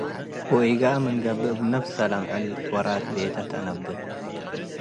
ወኢገአ ምን ገብእ፡ እብ ነብሰ ለምዕል ወራት ቤተ ተአንብት ።